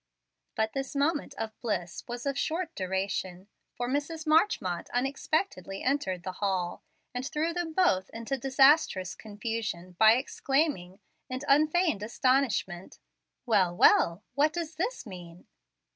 But this moment of bliss was of short duration, for Mrs. Marchmont unexpectedly entered the hall, and threw them both into disastrous confusion by exclaiming, in unfeigned astonishment, "Well, well! what does this mean?"